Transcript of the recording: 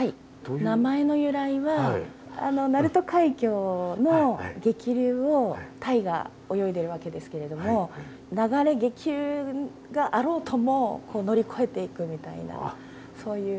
名前の由来は鳴門海峡の激流をタイが泳いでいるわけですけれども流れ激流があろうとも乗り越えていくみたいなそういう。